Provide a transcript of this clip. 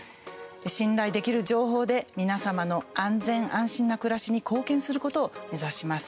信頼できる情報で皆様の安全、安心な暮らしに貢献することを目指します。